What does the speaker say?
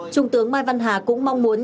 trung tướng mai văn hà cũng mong muốn